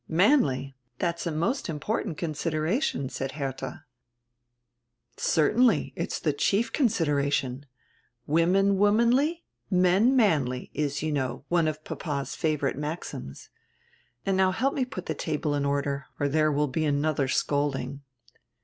"Manly? That's a most important consideration," said Herdia. "Certainly, it's die chief consideration. 'Women womanly, men manly,' is, you know, one of papa's favorite maxims. And now help me put die table in order, or diere will be anodier scolding."